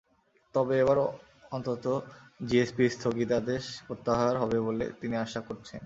তবে এবার অন্তত জিএসপি স্থগিতাদেশ প্রত্যাহার হবে বলে তিনি আশা করছেন।